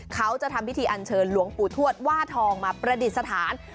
เขาจะทำพิธีอันเชิญหลวงปู่ทวดว่าทองมาประดิษฐาน